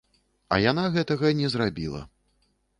А яна гэтага не зрабіла.